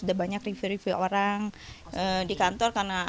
udah banyak review review orang di kantor karena